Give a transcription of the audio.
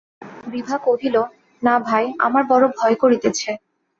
বিভা কহিল, না ভাই, আমার বড়ো ভয় করিতেছে।